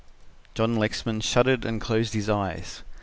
John Lexman shuddered and closed his eyes.